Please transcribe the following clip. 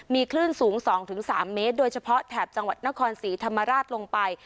มีคลื่นสูง๒๓เมตรโดยเฉพาะแถบจังหวัดนครศรีธรรมราชลงไป